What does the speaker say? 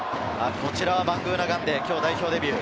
バングーナガンデ、今日代表デビュー。